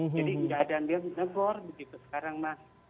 jadi tidak ada yang dianjur begitu sekarang mas